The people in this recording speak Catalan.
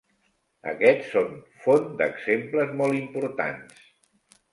Aquests són font d'exemples molt importants.